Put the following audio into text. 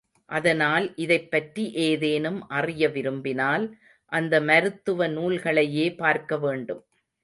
அதனால் இதைப் பற்றி ஏதேனும் அறிய விரும்பினால் அந்த மருத்துவ நூல்களையே பார்க்க வேண்டும்.